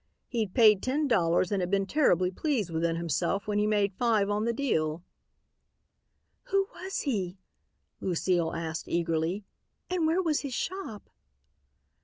He'd paid ten dollars and had been terribly pleased within himself when he made five on the deal." "Who was he?" Lucile asked eagerly, "and where was his shop?"